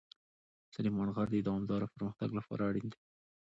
سلیمان غر د دوامداره پرمختګ لپاره اړین دی.